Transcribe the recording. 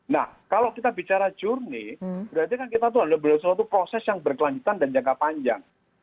nah kalau kita bicara journey berarti kan kita tuh ada suatu proses yang berkelanjutan dan jangka panjang